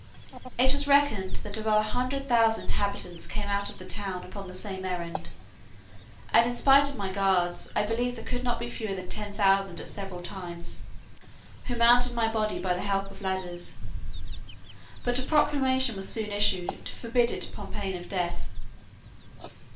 It was reckoned that above a hundred thousand inhabitants came out of the town upon the same errand; and, in spite of my guards, I believe there could not be fewer than ten thousand at several times, who mounted my body by the help of ladders. But a proclamation was soon issued, to forbid it upon pain of death.